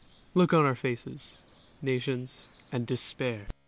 Look on our faces, Nations, and despair!"